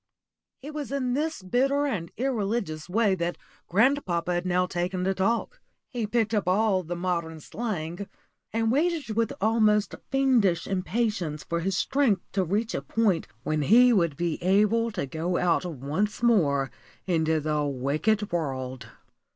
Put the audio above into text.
It was in this bitter and irreligious way that grandpapa had now taken to talk. He picked up all the modern slang, and waited with almost fiendish impatience for his strength to reach a point when he would be able to go out once more into the wicked world.